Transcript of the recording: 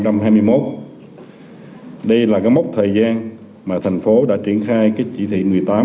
đây là mốc thời gian mà thành phố đã triển khai chỉ thị một mươi tám